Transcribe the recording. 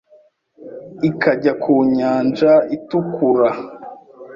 ikajya ku nyanja itukura